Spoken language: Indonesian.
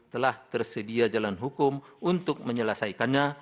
telah tersedia jalan hukum untuk menyelesaikannya